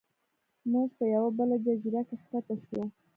موږ په یوه بله جزیره کې ښکته شو.